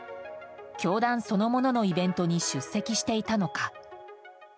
教団そのもののイベントに出席していたのか。